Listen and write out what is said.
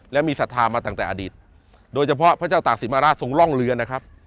และมีศรัทธามาตั้งแต่อดีตโดยเฉพาะพระเจ้าตากศิลมาราชทรงร่องเรือนะครับ